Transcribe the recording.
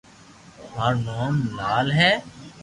مارو نوم لال ھي